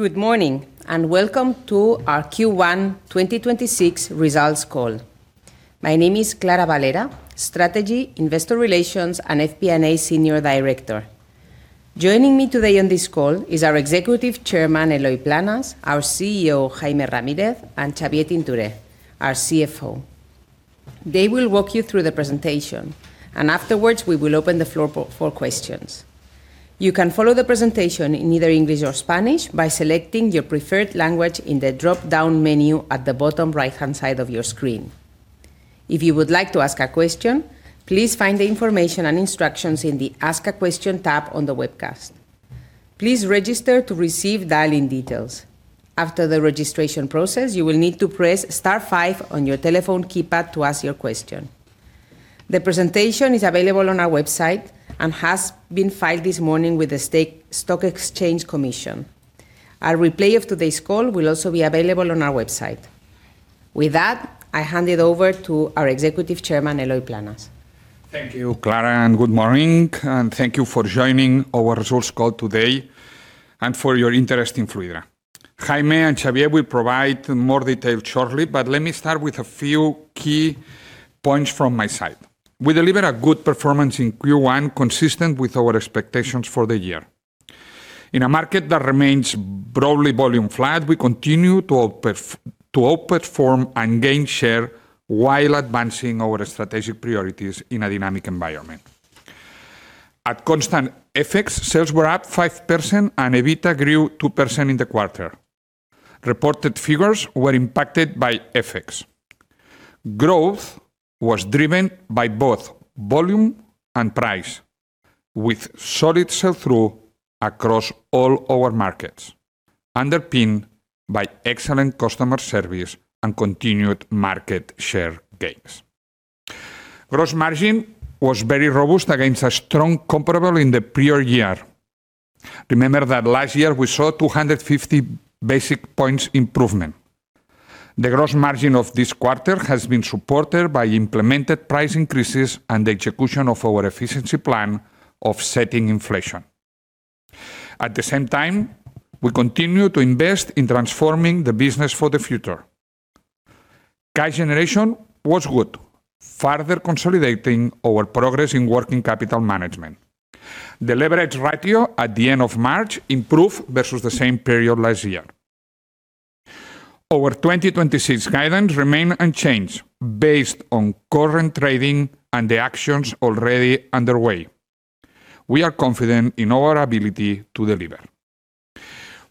Good morning, and welcome to our Q1 2026 results call. My name is Clara Valera, Strategy, Investor Relations, and FP&A Senior Director. Joining me today on this call is our Executive Chairman, Eloy Planes, our CEO, Jaime Ramírez, and Xavier Tintoré, our CFO. They will walk you through the presentation, and afterwards, we will open the floor for questions. You can follow the presentation in either English or Spanish by selecting your preferred language in the dropdown menu at the bottom right-hand side of your screen. If you would like to ask a question, please find the information and instructions in the Ask a Question tab on the webcast. Please register to receive dial-in details. After the registration process, you will need to press star five on your telephone keypad to ask your question. The presentation is available on our website and has been filed this morning with the Stock Exchange Commission. A replay of today's call will also be available on our website. With that, I hand it over to our Executive Chairman, Eloy Planes. Thank you, Clara, and good morning, and thank you for joining our results call today and for your interest in Fluidra. Jaime and Xavier will provide more detail shortly, but let me start with a few key points from my side. We delivered a good performance in Q1, consistent with our expectations for the year. In a market that remains broadly volume flat, we continue to outperform and gain share while advancing our strategic priorities in a dynamic environment. At constant FX, sales were up 5% and EBITDA grew 2% in the quarter. Reported figures were impacted by FX. Growth was driven by both volume and price, with solid sell-through across all our markets, underpinned by excellent customer service and continued market share gains. Gross margin was very robust against a strong comparable in the prior year. Remember that last year, we saw 250 basis points improvement. The gross margin of this quarter has been supported by implemented price increases and the execution of our efficiency plan offsetting inflation. At the same time, we continue to invest in transforming the business for the future. Cash generation was good, further consolidating our progress in working capital management. The leverage ratio at the end of March improved versus the same period last year. Our 2026 guidance remain unchanged based on current trading and the actions already underway. We are confident in our ability to deliver.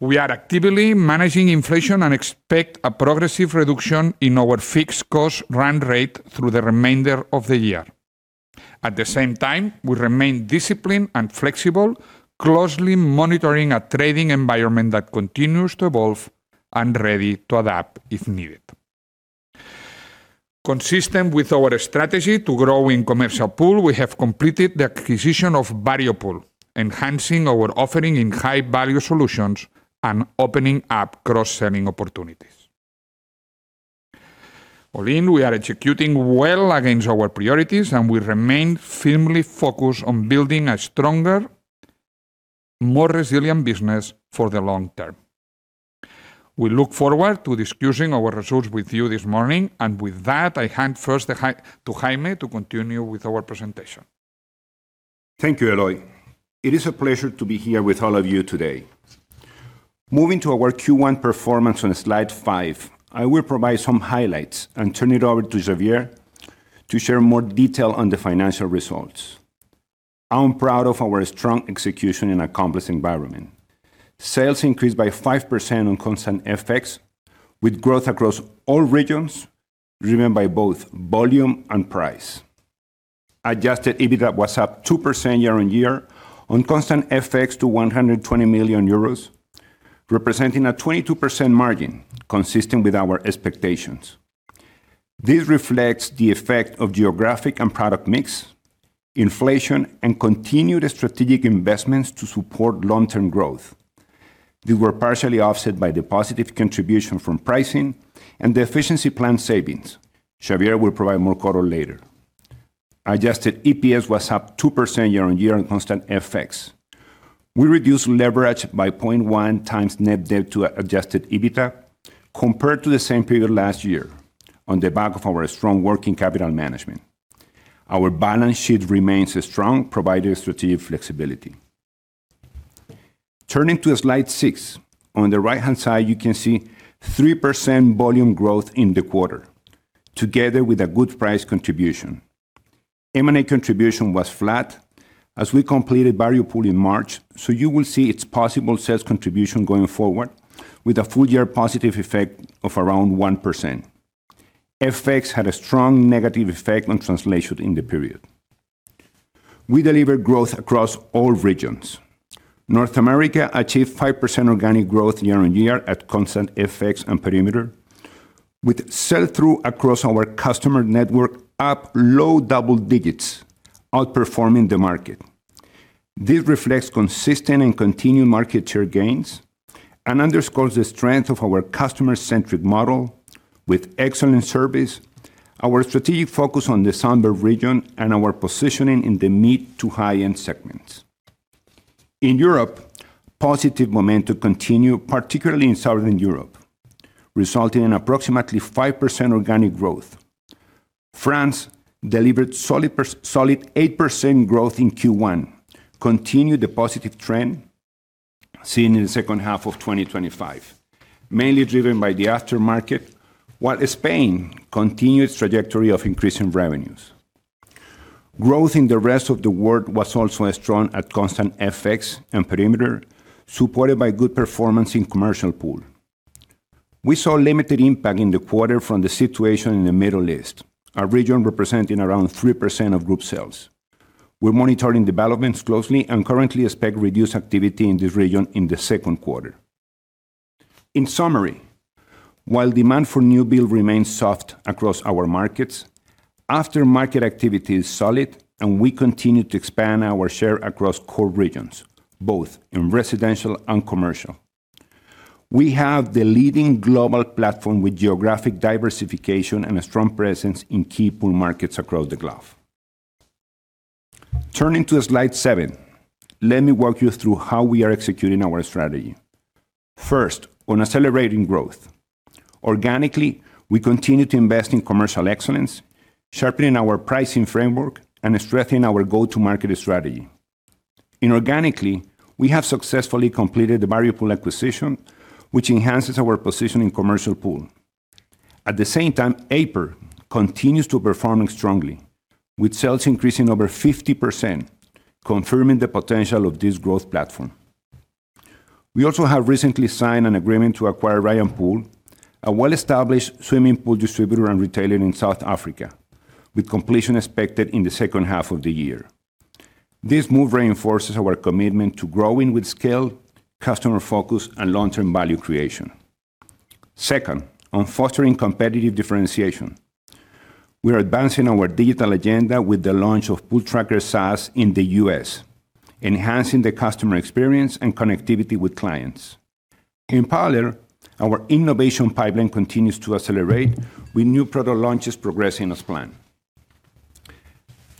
We are actively managing inflation and expect a progressive reduction in our fixed cost run rate through the remainder of the year. At the same time, we remain disciplined and flexible, closely monitoring a trading environment that continues to evolve and ready to adapt if needed. Consistent with our strategy to grow in commercial pool, we have completed the acquisition of Variopool, enhancing our offering in high-value solutions and opening up cross-selling opportunities. All in, we are executing well against our priorities, and we remain firmly focused on building a stronger, more resilient business for the long term. We look forward to discussing our results with you this morning. With that, I hand first to Jaime to continue with our presentation. Thank you, Eloy. It is a pleasure to be here with all of you today. Moving to our Q1 performance on slide five, I will provide some highlights and turn it over to Xavier to share more detail on the financial results. I am proud of our strong execution in a complex environment. Sales increased by 5% on constant FX, with growth across all regions, driven by both volume and price. Adjusted EBITDA was up 2% year-over-year on constant FX to 120 million euros, representing a 22% margin, consistent with our expectations. This reflects the effect of geographic and product mix, inflation, and continued strategic investments to support long-term growth. They were partially offset by the positive contribution from pricing and the efficiency plan savings. Xavier will provide more color later. Adjusted EPS was up 2% year-on-year on constant FX. We reduced leverage by 0.1x net debt to adjusted EBITDA compared to the same period last year on the back of our strong working capital management. Our balance sheet remains strong, providing strategic flexibility. Turning to slide six, on the right-hand side, you can see 3% volume growth in the quarter together with a good price contribution. M&A contribution was flat as we completed Variopool in March, so you will see its possible sales contribution going forward with a full-year positive effect of around 1%. FX had a strong negative effect on translation in the period. We delivered growth across all regions. North America achieved 5% organic growth year-on-year at constant FX and perimeter, with sell-through across our customer network up low double-digits, outperforming the market. This reflects consistent and continued market share gains and underscores the strength of our customer-centric model with excellent service. Our strategic focus on the Sunbelt region and our positioning in the mid- to high-end segments. In Europe, positive momentum continued, particularly in Southern Europe, resulting in approximately 5% organic growth. France delivered solid 8% growth in Q1, continued the positive trend seen in the second half of 2025, mainly driven by the aftermarket, while Spain continued its trajectory of increasing revenues. Growth in the rest of the world was also strong at constant FX and perimeter, supported by good performance in commercial pool. We saw limited impact in the quarter from the situation in the Middle East, a region representing around 3% of group sales. We're monitoring developments closely and currently expect reduced activity in this region in the second quarter. In summary, while demand for new build remains soft across our markets, aftermarket activity is solid, and we continue to expand our share across core regions, both in residential and commercial. We have the leading global platform with geographic diversification and a strong presence in key pool markets across the globe. Turning to slide seven, let me walk you through how we are executing our strategy. First, on accelerating growth. Organically, we continue to invest in commercial excellence, sharpening our pricing framework and strengthening our go-to-market strategy. Inorganically, we have successfully completed the Variopool acquisition, which enhances our position in commercial pool. At the same time, Aiper continues to performing strongly, with sales increasing over 50%, confirming the potential of this growth platform. We also have recently signed an agreement to acquire Riaan Pool, a well-established swimming pool distributor and retailer in South Africa, with completion expected in the second half of the year. This move reinforces our commitment to growing with scale, customer focus, and long-term value creation. Second, on fostering competitive differentiation. We are advancing our digital agenda with the launch of Pooltrackr SaaS in the U.S., enhancing the customer experience and connectivity with clients. In parallel, our innovation pipeline continues to accelerate with new product launches progressing as planned.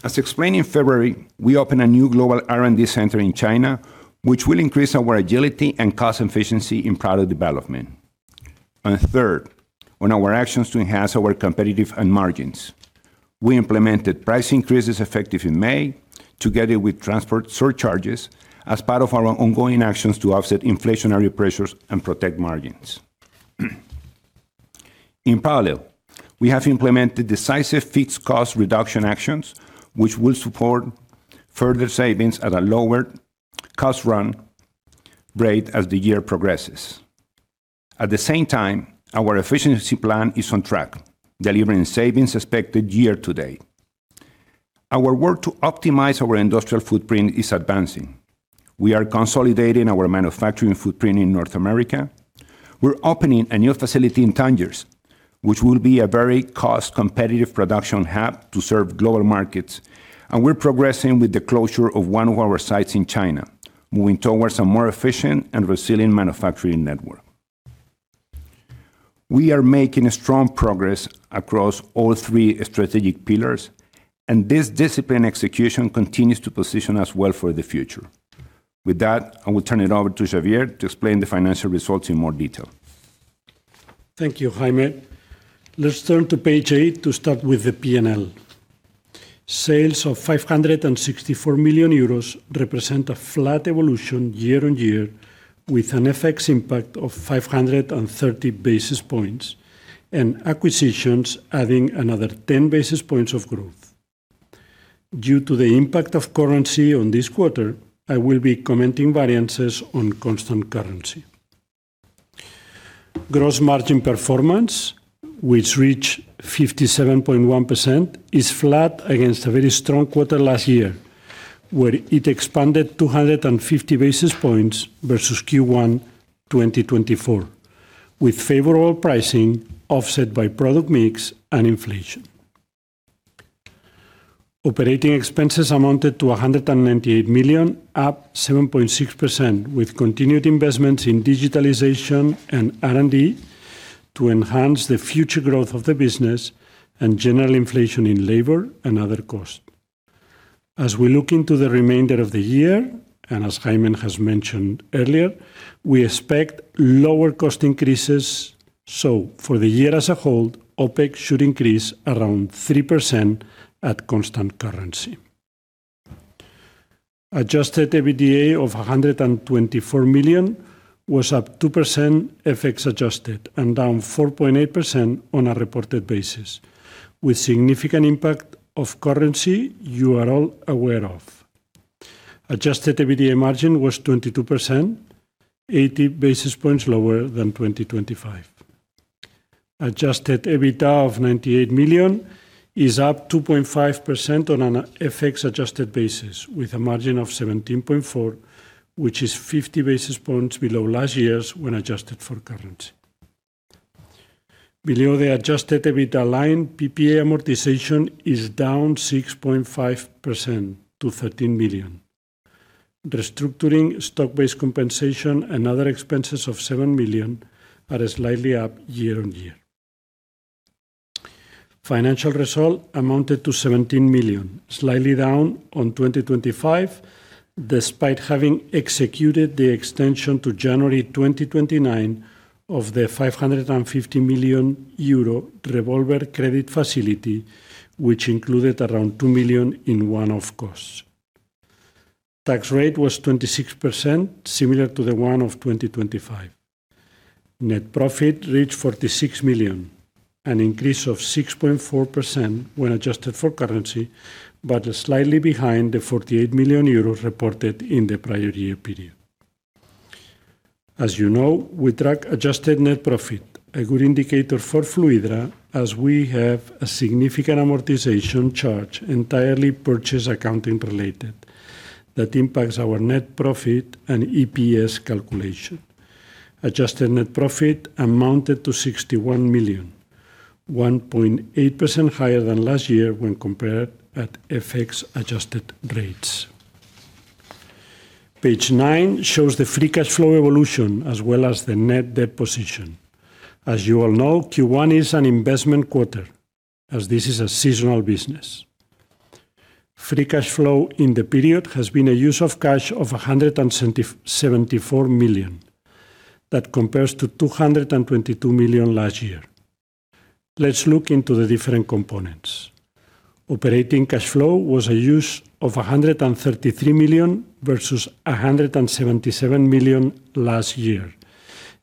As explained in February, we opened a new global R&D center in China, which will increase our agility and cost efficiency in product development. Third, on our actions to enhance our competitive and margins. We implemented price increases effective in May, together with transport surcharges, as part of our ongoing actions to offset inflationary pressures and protect margins. In parallel, we have implemented decisive fixed cost reduction actions, which will support further savings at a lower cost run rate as the year progresses. At the same time, our efficiency plan is on track, delivering savings expected year-to-date. Our work to optimize our industrial footprint is advancing. We are consolidating our manufacturing footprint in North America. We're opening a new facility in Tangiers, which will be a very cost competitive production hub to serve global markets. We're progressing with the closure of one of our sites in China, moving towards a more efficient and resilient manufacturing network. We are making strong progress across all three strategic pillars, and this disciplined execution continues to position us well for the future. With that, I will turn it over to Xavier to explain the financial results in more detail. Thank you, Jaime. Let's turn to page eight to start with the P&L. Sales of 564 million euros represent a flat evolution year-on-year, with an FX impact of 530 basis points and acquisitions adding another 10 basis points of growth. Due to the impact of currency on this quarter, I will be commenting variances on constant currency. Gross margin performance, which reached 57.1%, is flat against a very strong quarter last year, where it expanded 250 basis points versus Q1 2024, with favorable pricing offset by product mix and inflation. Operating expenses amounted to 198 million, up 7.6%, with continued investments in digitalization and R&D to enhance the future growth of the business and general inflation in labor and other costs. As we look into the remainder of the year, as Jaime has mentioned earlier, we expect lower cost increases. For the year as a whole, OpEx should increase around 3% at constant currency. Adjusted EBITDA of 124 million was up 2%, FX adjusted, and down 4.8% on a reported basis, with significant impact of currency you are all aware of. Adjusted EBITDA margin was 22%, 80 basis points lower than 2025. Adjusted EBITDA of 98 million is up 2.5% on an FX adjusted basis with a margin of 17.4%, which is 50 basis points below last year's when adjusted for currency. Below the adjusted EBITDA line, PPA amortization is down 6.5% to 13 million. Restructuring, stock-based compensation, and other expenses of 7 million are slightly up year-on-year. Financial result amounted to 17 million, slightly down on 2025, despite having executed the extension to January 2029 of the 550 million euro revolver credit facility, which included around 2 million in one-off costs. Tax rate was 26%, similar to the one of 2025. Net profit reached 46 million, an increase of 6.4% when adjusted for currency, but slightly behind the 48 million euros reported in the prior year period. As you know, we track adjusted net profit, a good indicator for Fluidra, as we have a significant amortization charge entirely purchase accounting related that impacts our net profit and EPS calculation. Adjusted net profit amounted to 61 million, 1.8% higher than last year when compared at FX adjusted rates. Page nine shows the free cash flow evolution as well as the net debt position. As you all know, Q1 is an investment quarter, as this is a seasonal business. Free cash flow in the period has been a use of cash of 174 million. That compares to 222 million last year. Let's look into the different components. Operating cash flow was a use of 133 million versus 177 million last year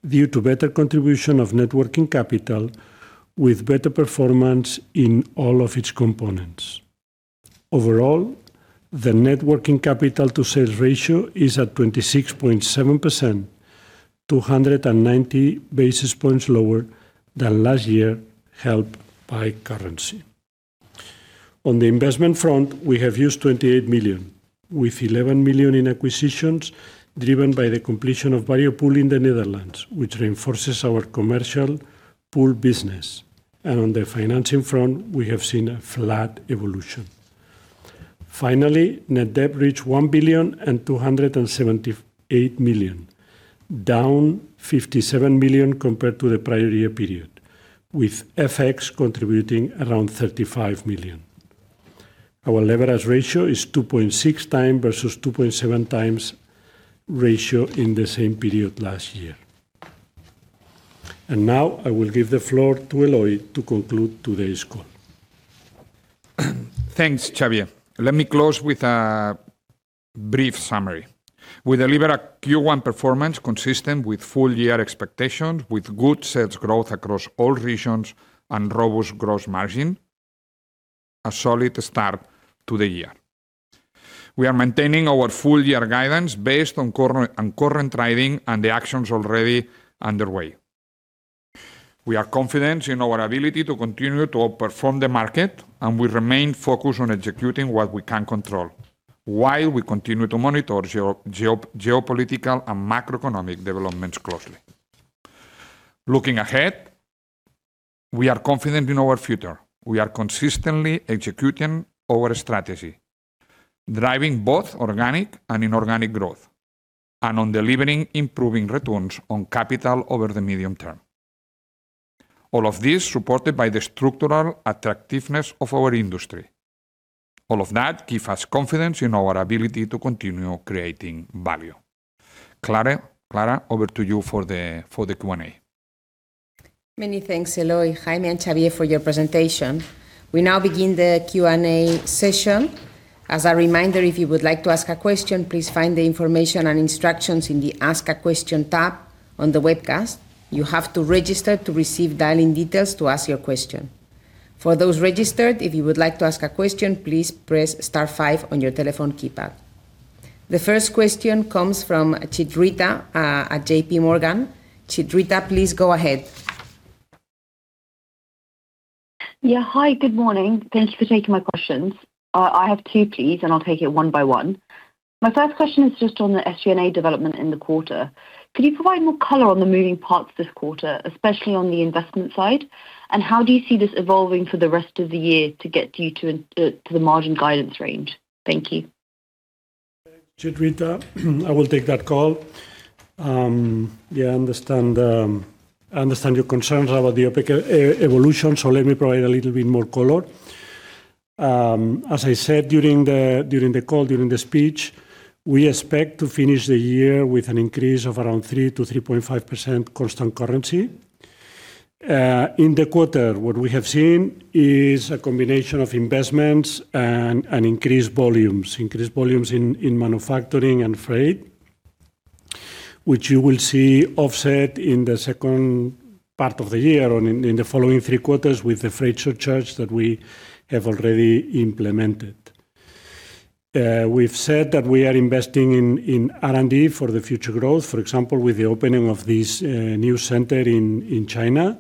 due to better contribution of net working capital with better performance in all of its components. Overall, the net working capital to sales ratio is at 26.7%, 290 basis points lower than last year, helped by currency. On the investment front, we have used 28 million, with 11 million in acquisitions driven by the completion of BioPool in the Netherlands, which reinforces our commercial pool business. On the financing front, we have seen a flat evolution. Finally, net debt reached 1,278 million, down 57 million compared to the prior year period, with FX contributing around 35 million. Our leverage ratio is 2.6x versus 2.7x ratio in the same period last year. Now I will give the floor to Eloy to conclude today's call. Thanks, Xavier. Let me close with a brief summary. We deliver a Q1 performance consistent with full year expectations with good sales growth across all regions and robust gross margin, a solid start to the year. We are maintaining our full year guidance based on current trading and the actions already underway. We are confident in our ability to continue to outperform the market, and we remain focused on executing what we can control while we continue to monitor geopolitical and macroeconomic developments closely. Looking ahead, we are confident in our future. We are consistently executing our strategy, driving both organic and inorganic growth, and on delivering improving returns on capital over the medium-term. All of this supported by the structural attractiveness of our industry. All of that give us confidence in our ability to continue creating value. Clara, over to you for the Q&A. Many thanks, Eloy, Jaime, and Xavier for your presentation. We now begin the Q&A session. As a reminder, if you would like to ask a question, please find the information and instructions in the Ask a Question tab on the webcast. You have to register to receive dial-in details to ask your question. For those registered, if you would like to ask a question, please press star five on your telephone keypad. The first question comes from Chitrita at J.P. Morgan. Chitrita, please go ahead. Yeah. Hi, good morning. Thank you for taking my questions. I have two, please, and I'll take it one by one. My first question is just on the SG&A development in the quarter. Could you provide more color on the moving parts this quarter, especially on the investment side? How do you see this evolving for the rest of the year to get you to the margin guidance range? Thank you. Chitrita, I will take that call. Yeah, I understand your concerns about the OpEx e-evolution, let me provide a little bit more color. As I said, during the call, during the speech, we expect to finish the year with an increase of around 3%-3.5% constant currency. In the quarter, what we have seen is a combination of investments and increased volumes. Increased volumes in manufacturing and freight, which you will see offset in the second part of the year or in the following three quarters with the freight surcharge that we have already implemented. We've said that we are investing in R&D for the future growth, for example, with the opening of this new center in China,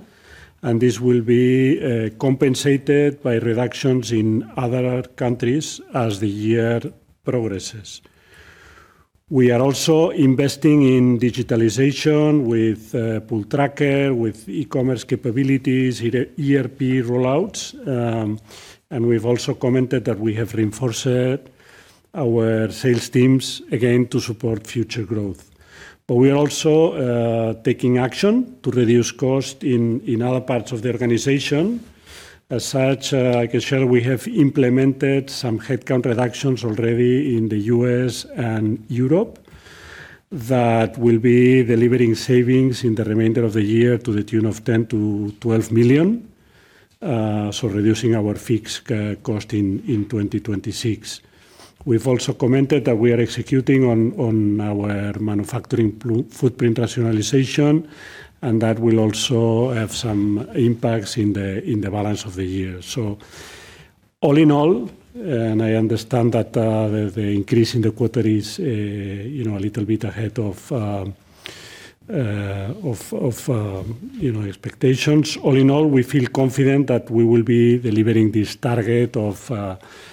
this will be compensated by reductions in other countries as the year progresses. We are also investing in digitalization with Pooltrackr, with e-commerce capabilities, ERP rollouts. We've also commented that we have reinforced our sales teams again to support future growth. We are also taking action to reduce cost in other parts of the organization. As such, I can share we have implemented some headcount reductions already in the U.S. and Europe that will be delivering savings in the remainder of the year to the tune of 10 million-12 million, so reducing our fixed cost in 2026. We've also commented that we are executing on our manufacturing footprint rationalization, and that will also have some impacts in the, in the balance of the year. All in all, and I understand that the increase in the quarter is, you know, a little bit ahead of, you know, expectations. All in all, we feel confident that we will be delivering this target of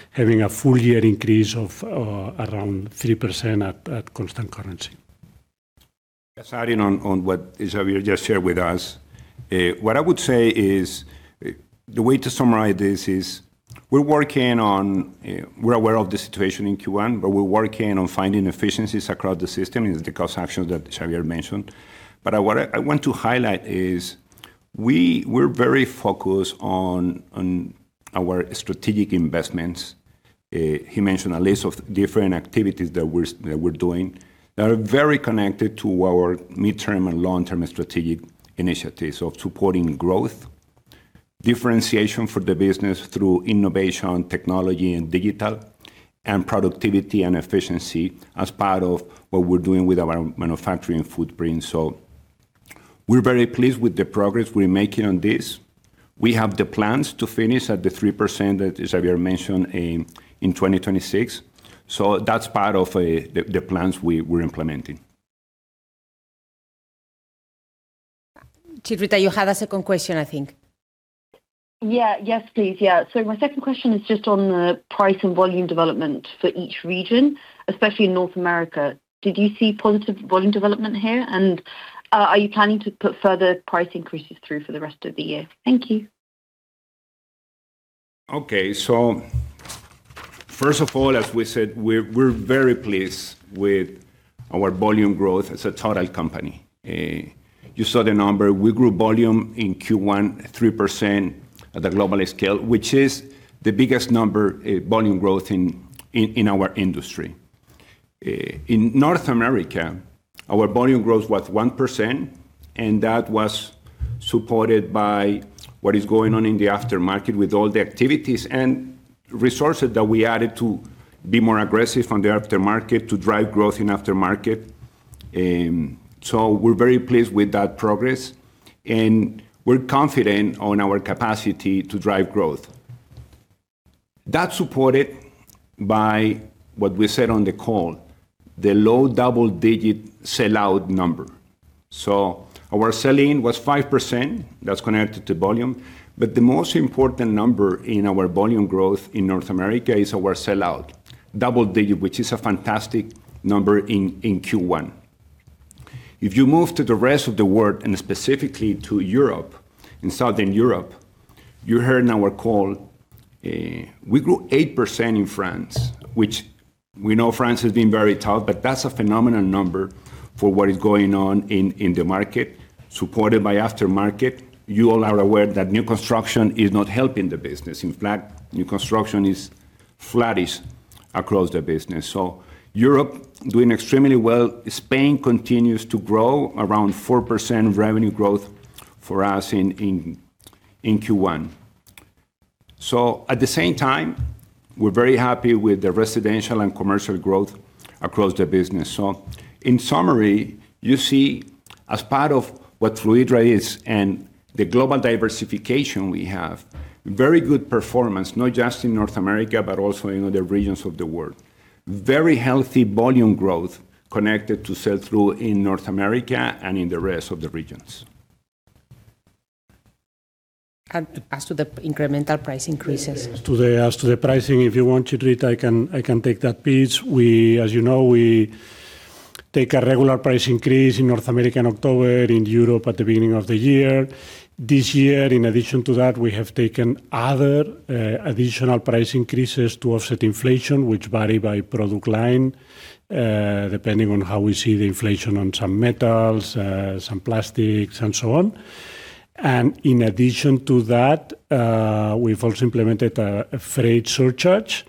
having a full year increase of around 3% at constant currency. Just adding on what Xavier just shared with us. What I would say is, the way to summarize this is we're working on. We're aware of the situation in Q1, we're working on finding efficiencies across the system. It's the cost actions that Xavier mentioned. I want to highlight is we're very focused on our strategic investments. He mentioned a list of different activities that we're doing that are very connected to our mid-term and long-term strategic initiatives of supporting growth, differentiation for the business through innovation, technology, and digital, and productivity and efficiency as part of what we're doing with our manufacturing footprint. We're very pleased with the progress we're making on this. We have the plans to finish at the 3% that Xavier mentioned in 2026. That's part of the plans we're implementing. Chitrita Sinha, you had a second question, I think. Yes, please. My second question is just on the price and volume development for each region, especially in North America. Did you see positive volume development here? Are you planning to put further price increases through for the rest of the year? Thank you. Okay. First of all, as we said, we're very pleased with our volume growth as a total company. You saw the number. We grew volume in Q1 3% at the global scale, which is the biggest number, volume growth in our industry. In North America, our volume growth was 1%, and that was supported by what is going on in the aftermarket with all the activities and resources that we added to be more aggressive on the aftermarket to drive growth in aftermarket. We're very pleased with that progress, and we're confident on our capacity to drive growth. That's supported by what we said on the call, the low double-digit sell-out number. Our sell-in was 5%. That's connected to volume. The most important number in our volume growth in North America is our sell-out, double-digit, which is a fantastic number in Q1. If you move to the rest of the world and specifically to Europe and Southern Europe, you heard in our call, we grew 8% in France, which we know France has been very tough, but that's a phenomenal number for what is going on in the market, supported by aftermarket. You all are aware that new construction is not helping the business. In fact, new construction is flattish across the business. Europe doing extremely well. Spain continues to grow around 4% revenue growth for us in Q1. At the same time, we're very happy with the residential and commercial growth across the business. In summary, you see as part of what Fluidra is and the global diversification we have, very good performance, not just in North America, but also in other regions of the world. Very healthy volume growth connected to sell-through in North America and in the rest of the regions. As to the incremental price increases. As to the pricing, if you want, Chitrita, I can take that piece. We, as you know, we take a regular price increase in North America in October, in Europe at the beginning of the year. This year, in addition to that, we have taken other additional price increases to offset inflation, which vary by product line, depending on how we see the inflation on some metals, some plastics, and so on. In addition to that, we've also implemented a freight surcharge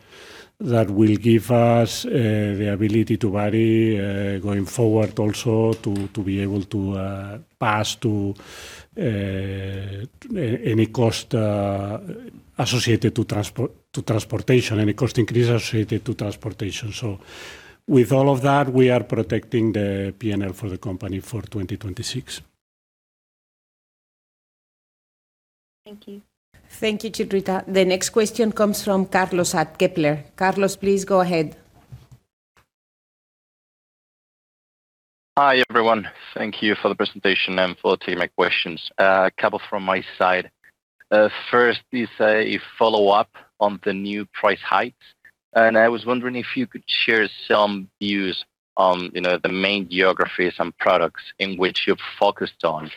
that will give us the ability to vary going forward also to be able to pass to any cost associated to transportation, any cost increase associated to transportation. With all of that, we are protecting the P&L for the company for 2026. Thank you. Thank you, Chitrita. The next question comes from Carlos at Kepler. Carlos, please go ahead. Hi, everyone. Thank you for the presentation and for taking my questions. A couple from my side. First is a follow-up on the new price hike. I was wondering if you could share some views on, you know, the main geographies and products in which you're focused on,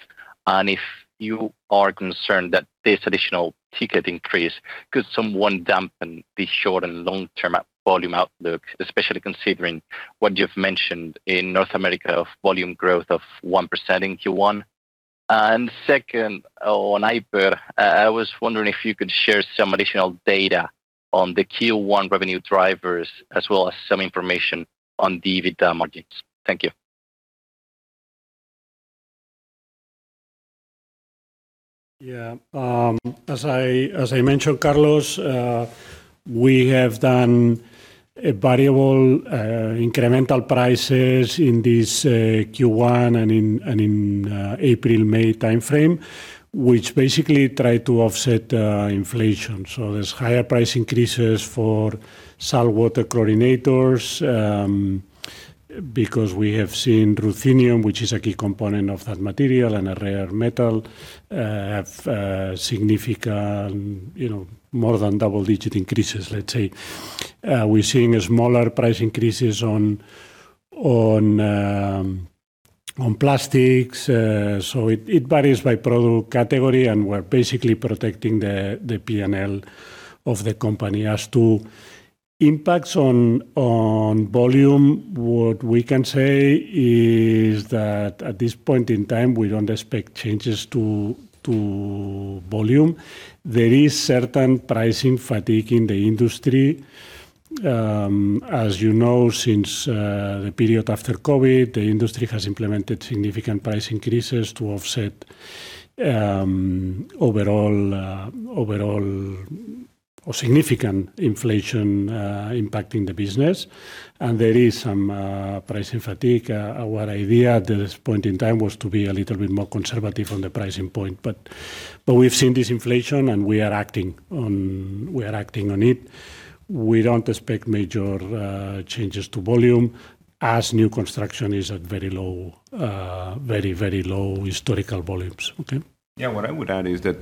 and if you are concerned that this additional ticket increase could somewhat dampen the short- and long-term volume outlook, especially considering what you've mentioned in North America of volume growth of 1% in Q1. Second, on Aiper, I was wondering if you could share some additional data on the Q1 revenue drivers as well as some information on the EBITDA margins. Thank you. Yeah. As I mentioned, Carlos, we have done a variable, incremental prices in this Q1 and in April/May timeframe, which basically try to offset inflation. There's higher price increases for saltwater chlorinators, because we have seen ruthenium, which is a key component of that material and a rare metal, have significant, you know, more than double-digit increases, let's say. We're seeing smaller price increases on plastics. It varies by product category, and we're basically protecting the P&L of the company. As to impacts on volume, what we can say is that at this point in time, we don't expect changes to volume. There is certain pricing fatigue in the industry. As you know, since the period after COVID, the industry has implemented significant price increases to offset overall or significant inflation impacting the business, and there is some pricing fatigue. Our idea at this point in time was to be a little bit more conservative on the pricing point, but we've seen this inflation, and we are acting on it. We don't expect major changes to volume as new construction is at very low, very, very low historical volumes. Yeah. What I would add is that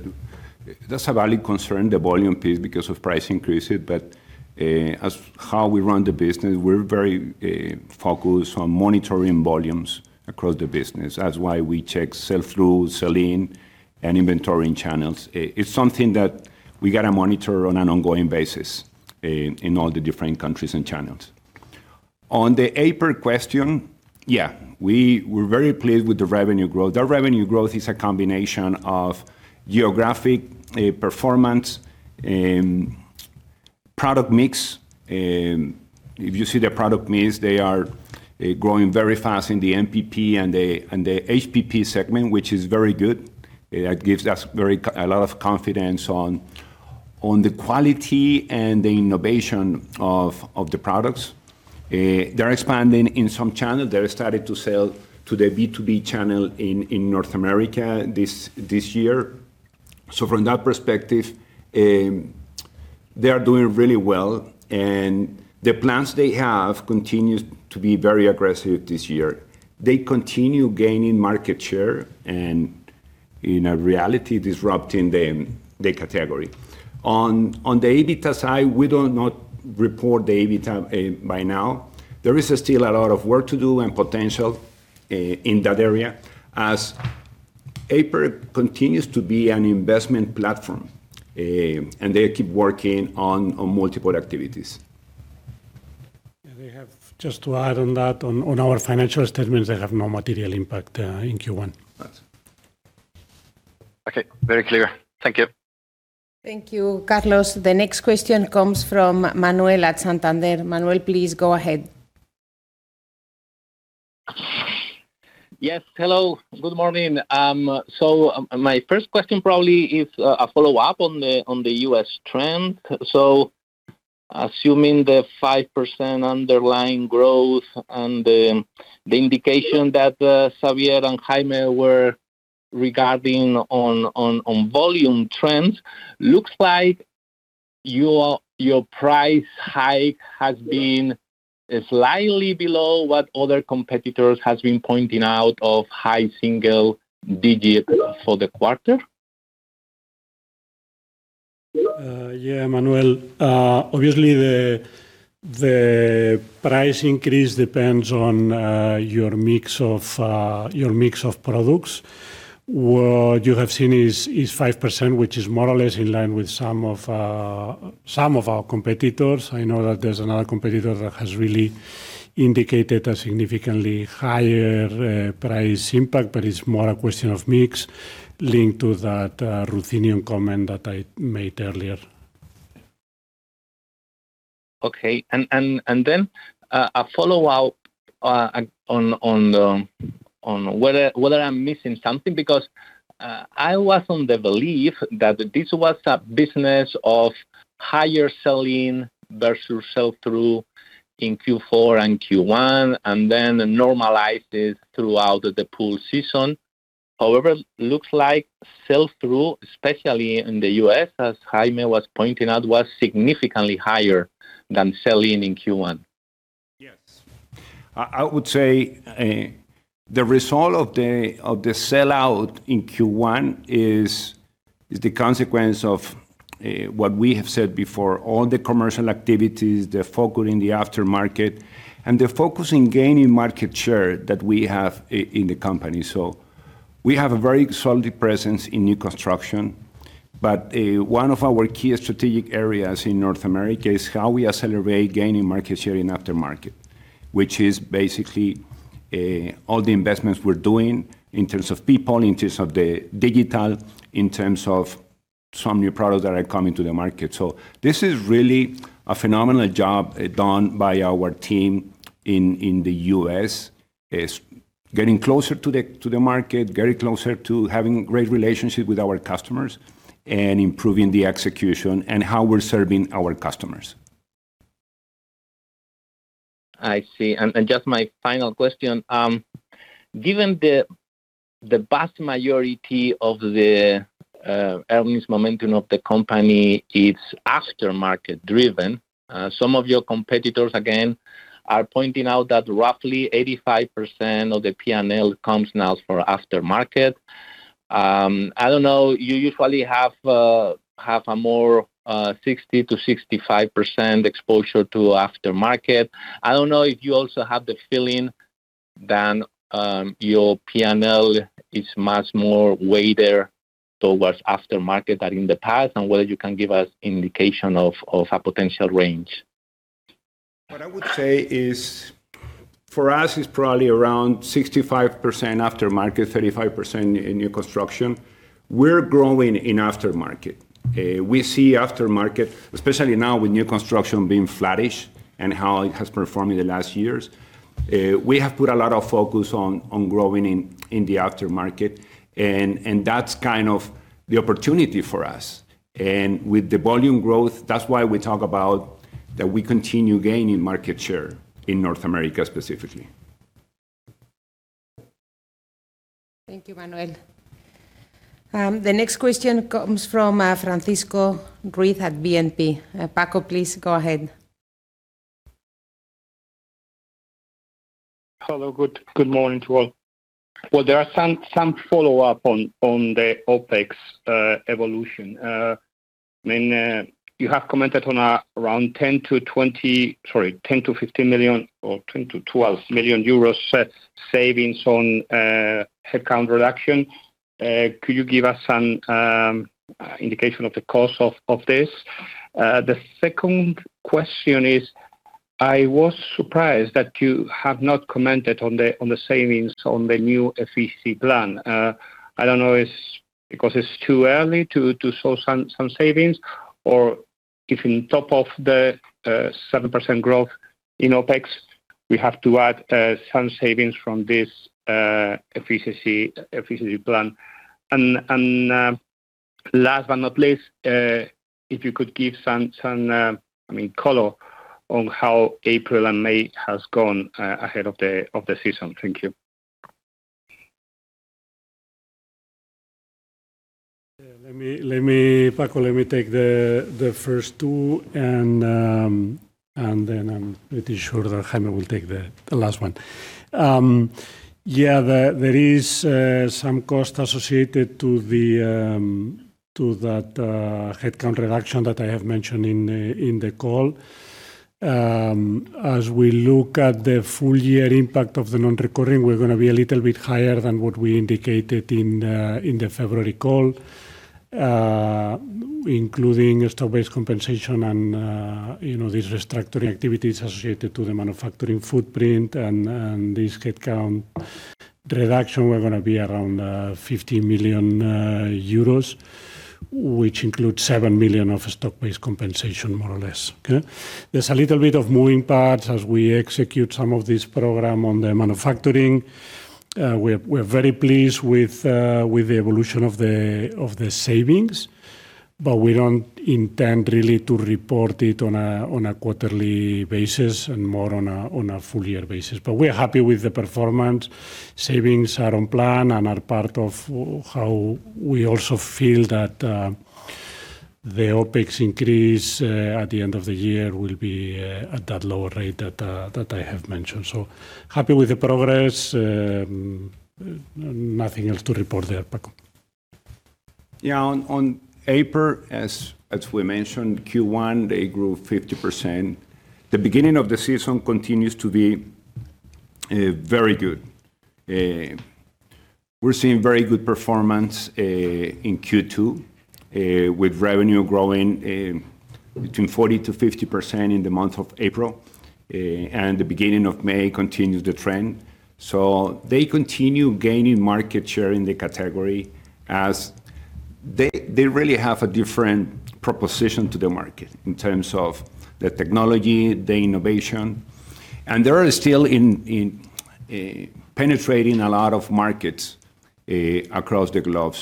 that's a valid concern, the volume because of price increases, but as how we run the business, we're very focused on monitoring volumes across the business. That's why we check sell-through, sell-in, and inventory in channels. It's something that we gotta monitor on an ongoing basis in all the different countries and channels. On the Aiper question, yeah, we're very pleased with the revenue growth. Our revenue growth is a combination of geographic performance, product mix. If you see the product mix, they are growing very fast in the MPP and the HPP segment, which is very good. It gives us a lot of confidence on the quality and the innovation of the products. They're expanding in some channels. They started to sell to the B2B channel in North America this year. From that perspective, they are doing really well, and the plans they have continue to be very aggressive this year. They continue gaining market share and, in a reality, disrupting the category. On the EBITDA side, we do not report the EBITDA by now. There is still a lot of work to do and potential in that area as Aiper continues to be an investment platform. They keep working on multiple activities. Yeah. Just to add on that, on our financial statements, they have no material impact in Q1. Right. Okay. Very clear. Thank you. Thank you, Carlos. The next question comes from Manuel at Santander. Manuel, please go ahead. Yes. Hello. Good morning. My first question probably is a follow-up on the U.S. trend. Assuming the 5% underlying growth and the indication that Xavier and Jaime were regarding on volume trends, looks like your price hike has been slightly below what other competitors has been pointing out of high single-digit for the quarter. Yeah, Manuel. Obviously, the price increase depends on your mix of your mix of products. What you have seen is 5%, which is more or less in line with some of our competitors. I know that there's another competitor that has really indicated a significantly higher price impact, but it's more a question of mix linked to that ruthenium comment that I made earlier. Okay. Then a follow-up on whether I am missing something because I was on the belief that this was a business of higher sell-in versus sell-through in Q4 and Q1, and then it normalizes throughout the pool season. However, looks like sell-through, especially in the U.S., as Jaime was pointing out, was significantly higher than sell-in in Q1. Yes. I would say, the result of the sell out in Q1 is the consequence of what we have said before, all the commercial activities, the focus in the aftermarket, and the focus in gaining market share that we have in the company. We have a very solid presence in new construction, but one of our key strategic areas in North America is how we accelerate gaining market share in aftermarket, which is basically, all the investments we're doing in terms of people, in terms of the digital, in terms of some new products that are coming to the market. This is really a phenomenal job done by our team in the U.S., getting closer to the market, getting closer to having great relationships with our customers, and improving the execution and how we're serving our customers. I see. Just my final question. Given the vast majority of the earnings momentum of the company is aftermarket driven, some of your competitors, again, are pointing out that roughly 85% of the P&L comes now from aftermarket. I don't know, you usually have a more 60%-65% exposure to aftermarket. I don't know if you also have the feeling than your P&L is much more weighted towards aftermarket than in the past, and whether you can give us indication of a potential range. What I would say is for us it's probably around 65% aftermarket, 35% in new construction. We're growing in aftermarket. We see aftermarket, especially now with new construction being flattish and how it has performed in the last years, we have put a lot of focus on growing in the aftermarket and that's kind of the opportunity for us. With the volume growth, that's why we talk about that we continue gaining market share in North America specifically. Thank you, Manuel. The next question comes from Francisco Ruiz at BNP. Paco, please go ahead. Hello. Good morning to all. There are some follow-up on the OpEx evolution. I mean, you have commented on around 10 million-15 million or 10 million-12 million euros savings on headcount reduction. Could you give us some indication of the cause of this? The second question is, I was surprised that you have not commented on the savings on the new FEC plan. I don't know it's because it's too early to show some savings or if on top of the 7% growth in OpEx, we have to add some savings from this efficiency plan? Last but not least, if you could give some, I mean, color on how April and May has gone, ahead of the season? Thank you. Let me Paco, let me take the first two, then I'm pretty sure that Jaime will take the last one. There is some cost associated to that headcount reduction that I have mentioned in the call. As we look at the full year impact of the non-recurring, we're gonna be a little bit higher than what we indicated in the February call. Including stock-based compensation, you know, these restructuring activities associated to the manufacturing footprint and this headcount reduction, we're gonna be around 50 million euros, which includes 7 million of stock-based compensation, more or less. Okay. There's a little bit of moving parts as we execute some of this program on the manufacturing. We're very pleased with the evolution of the savings, but we don't intend really to report it on a quarterly basis, and more on a full year basis. We're happy with the performance. Savings are on plan and are part of how we also feel that the OpEx increase at the end of the year will be at that lower rate that I have mentioned. Happy with the progress. Nothing else to report there, Paco. Yeah. On Aiper, as we mentioned, Q1, they grew 50%. The beginning of the season continues to be very good. We're seeing very good performance in Q2, with revenue growing between 40%-50% in the month of April. The beginning of May continues the trend. They continue gaining market share in the category as they really have a different proposition to the market in terms of the technology, the innovation. They are still in penetrating a lot of markets across the globe.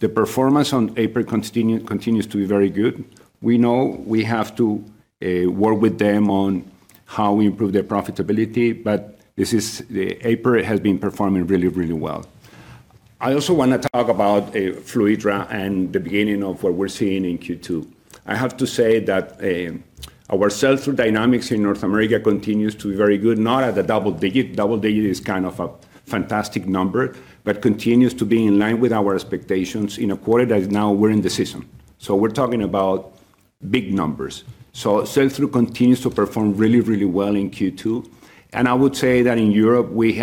The performance on Aiper continues to be very good. We know we have to work with them on how we improve their profitability, but this is the Aiper has been performing really, really well. I also want to talk about Fluidra and the beginning of what we're seeing in Q2. I have to say that our sell-through dynamics in North America continues to be very good, not at the double-digit. Double-digit is kind of a fantastic number, but continues to be in line with our expectations in a quarter that is now we're in the season. We're talking about big numbers. Sell-through continues to perform really well in Q2, and I would say that in Europe we're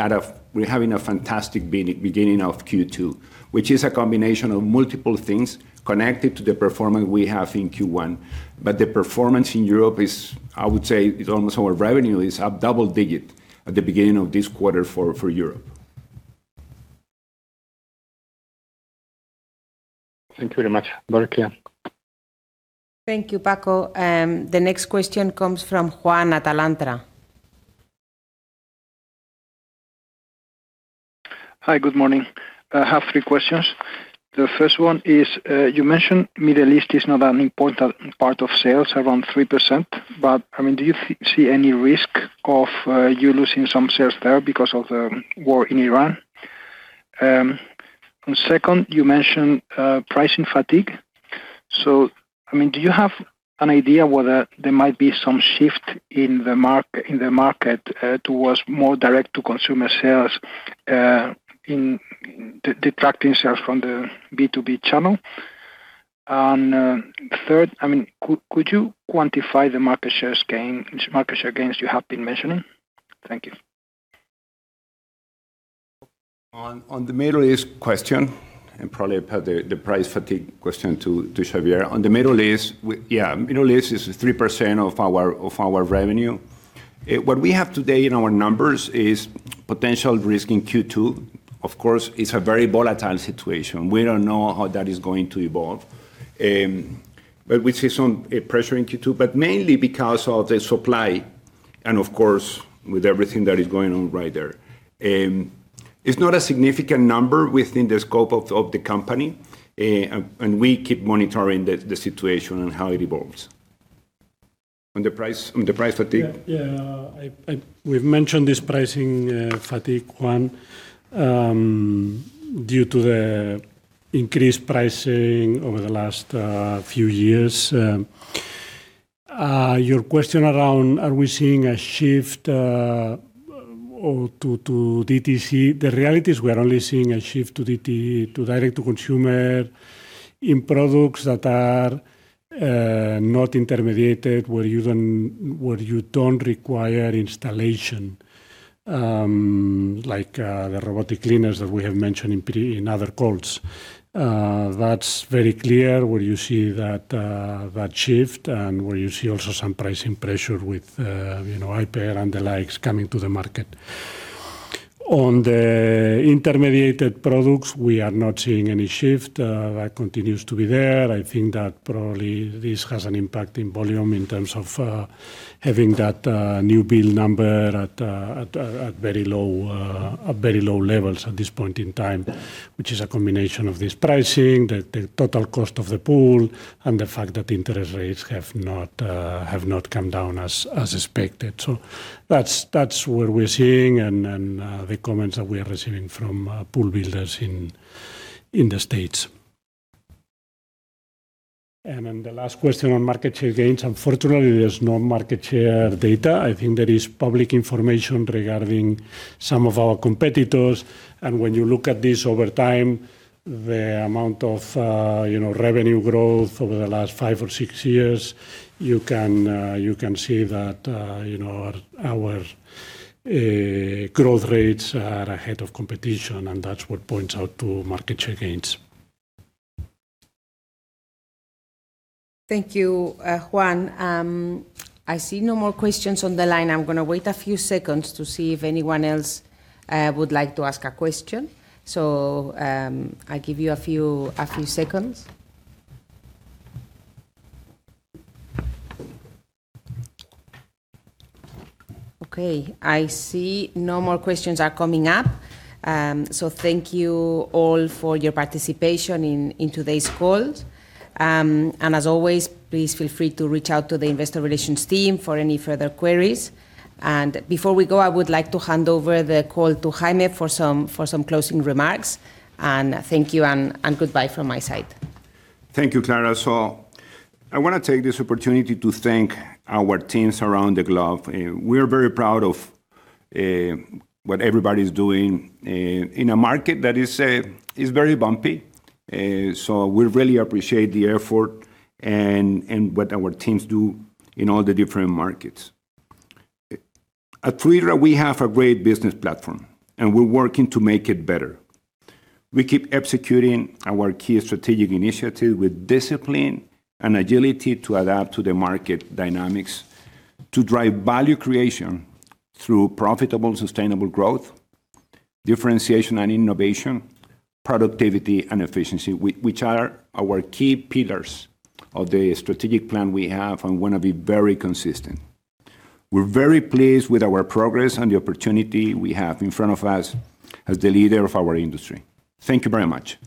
having a fantastic beginning of Q2, which is a combination of multiple things connected to the performance we have in Q1. The performance in Europe is, I would say, almost our revenue is up double-digit at the beginning of this quarter for Europe. Thank you very much. Very clear. Thank you, Paco. The next question comes from Juan, Alantra. Hi, good morning. I have three questions. The first one is, you mentioned Middle East is not an important part of sales, around 3%, but, I mean, do you see any risk of you losing some sales there because of the war in Iran? Second, you mentioned pricing fatigue. I mean, do you have an idea whether there might be some shift in the market towards more direct to consumer sales detracting sales from the B2B channel? Third, I mean, could you quantify the market share gains you have been mentioning? Thank you. On the Middle East question, probably I'll pass the price fatigue question to Xavier. Middle East is 3% of our revenue. What we have today in our numbers is potential risk in Q2. Of course, it's a very volatile situation. We don't know how that is going to evolve, we see some pressure in Q2, but mainly because of the supply of course, with everything that is going on right there. It's not a significant number within the scope of the company, we keep monitoring the situation and how it evolves. On the price fatigue? We've mentioned this pricing fatigue, Juan, due to the increased pricing over the last few years. Your question around are we seeing a shift to DTC? The reality is we are only seeing a shift to Direct to Consumer in products that are not intermediated, where you don't require installation, like the robotic cleaners that we have mentioned in other calls. That's very clear where you see that shift and where you see also some pricing pressure with, you know, Aiper and the likes coming to the market. On the intermediated products, we are not seeing any shift. That continues to be there. I think that probably this has an impact in volume in terms of having that new build number at very low levels at this point in time, which is a combination of this pricing, the total cost of the pool, and the fact that interest rates have not come down as expected. That's, that's what we're seeing and the comments that we are receiving from pool builders in the States. The last question on market share gains. Unfortunately, there's no market share data. I think there is public information regarding some of our competitors. When you look at this over time, the amount of, you know, revenue growth over the last five or six years, you can, you can see that, you know, our, growth rates are ahead of competition, and that's what points out to market share gains. Thank you, Juan. I see no more questions on the line. I'm gonna wait a few seconds to see if anyone else would like to ask a question. I give you a few seconds. Okay, I see no more questions are coming up, thank you all for your participation in today's call. As always, please feel free to reach out to the investor relations team for any further queries. Before we go, I would like to hand over the call to Jaime for some closing remarks. Thank you and goodbye from my side. Thank you, Clara. I wanna take this opportunity to thank our teams around the globe. We're very proud of what everybody's doing in a market that is very bumpy. We really appreciate the effort and what our teams do in all the different markets. At Fluidra, we have a great business platform, and we're working to make it better. We keep executing our key strategic initiative with discipline and agility to adapt to the market dynamics to drive value creation through profitable, sustainable growth, differentiation and innovation, productivity and efficiency, which are our key pillars of the strategic plan we have and wanna be very consistent. We're very pleased with our progress and the opportunity we have in front of us as the leader of our industry. Thank you very much.